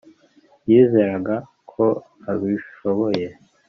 yizeraga ko abishoboye,